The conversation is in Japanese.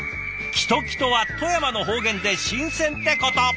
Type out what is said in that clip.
「きときと」は富山の方言で新鮮ってこと！